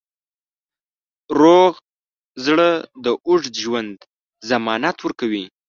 روغ زړګی د اوږد ژوند ضمانت ورکوي.